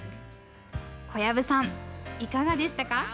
小籔さん、いかがでしたか。